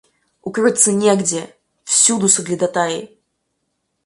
Укрыться негде, всюду соглядатаи.